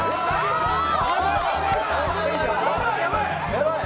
やばい！